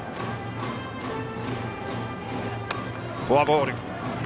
フォアボール。